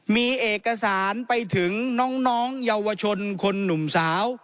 มีเอกสารไปถึงน้องเยาวชนคนหนุ่มสาว